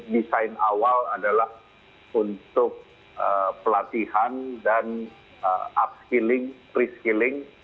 desain awal adalah untuk pelatihan dan upskilling preskilling